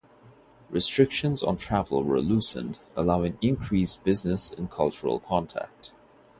Restrictions on travel were loosened, allowing increased business and cultural contact.